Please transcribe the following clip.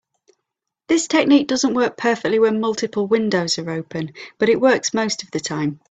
This technique doesn't work perfectly when multiple windows are open, but it works most of the time.